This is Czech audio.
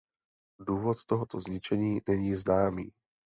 Důvod tohoto zničení není známý.